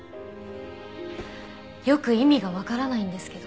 よく意味がわからないんですけど。